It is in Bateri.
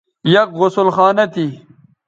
یک غسل خانہ تھی